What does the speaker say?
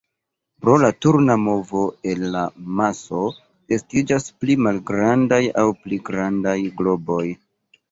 Pro la turna movo el la maso estiĝas pli malgrandaj aŭ pli grandaj globoj.